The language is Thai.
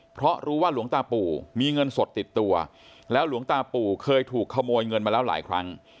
เพราะรู้ว่าหลวงตาปู่มีเงินสดติดตัวแล้วหลวงตาปู่เคยถูกขโมยเงินมาแล้วหลายครั้ง